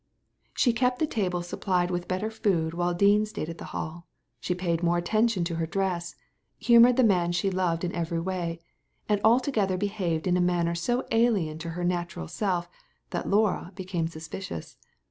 She kept the table supplied with better food while Dean stayed at the Hall, she paid more atten tion to her dress, humoured the man she loved in every way, and altogether behaved in a manner so alien to her natural self that Laura became suspicious.